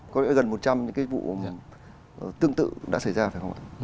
có lẽ gần một trăm linh cái vụ tương tự đã xảy ra phải không ạ